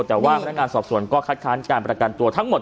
แต่ว่าพนักงานสอบสวนก็คัดค้านการประกันตัวทั้งหมด